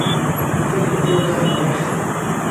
ښځې څو ګامه واخيستل.